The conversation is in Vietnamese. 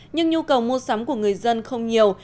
nhưng nhu cầu mua sắm của người dân không nhiều